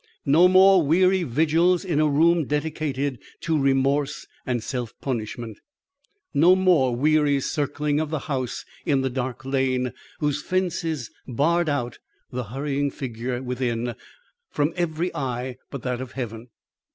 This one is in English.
No more weary vigils in a room dedicated to remorse and self punishment. No more weary circling of the house in the dark lane whose fences barred out the hurrying figure within from every eye but that of Heaven.